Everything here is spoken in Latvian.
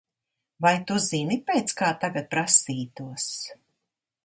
Vai tu zini pēc kā tagad prasītos?